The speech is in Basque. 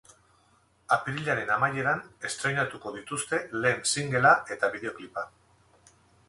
Apirilaren amaieran estreinatuko dituzte lehen singlea eta bideoklipa.